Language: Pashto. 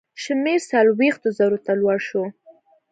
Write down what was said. شمېر څلوېښتو زرو ته لوړ شو.